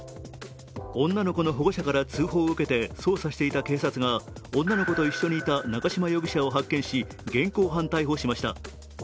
女の子の保護者から通報を受けて捜査していた警察が女の子と一緒にいた中島容疑者を発見し現行犯逮捕しました。